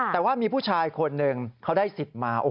แต่ว่ามีผู้ชายคนหนึ่งเขาได้สิทธิ์มา